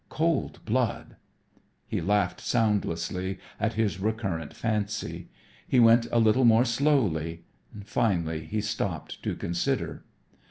Cold blood! He laughed soundlessly at his recurrent fancy. He went a little more slowly. Finally he stopped to consider.